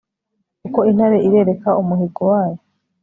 uko intare irereka umuhigo wayo